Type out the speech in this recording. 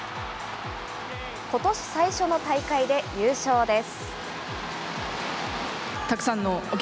ことし最初の大会で優勝です。